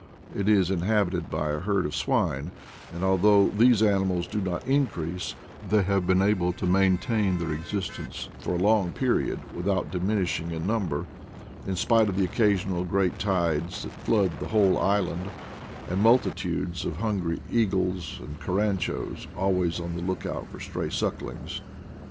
It is inhabited by a herd of swine; and although these animals do not increase, they have been able to maintain their existence for a o o 'ASPECTS OF THE VALLEY 55 long period without diminishing in number, in Spite of the occasional great tides that flood the whole island, and of multitudes of hungry eagles and caranchos always on the look out for stray sucklings.